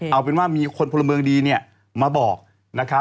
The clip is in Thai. เอาเป็นว่ามีคนพลเมืองดีมาบอกนะครับ